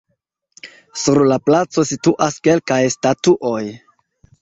Sur la placo situas kelkaj statuoj.